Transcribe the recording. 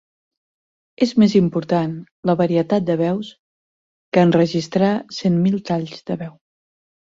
És més important la varietat de veus que enregistrar cent mil talls de veu.